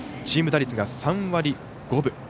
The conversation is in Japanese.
チーム打率が３割５分。